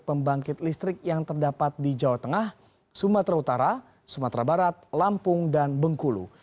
pembangkit listrik yang terdapat di jawa tengah sumatera utara sumatera barat lampung dan bengkulu